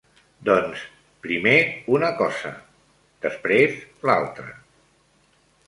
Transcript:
Doncs, primer una cosa, després l'altra